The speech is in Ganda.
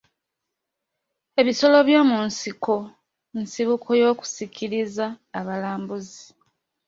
Ebisolo byomunsiko nsibuko y'okusikiriza abalambuzi.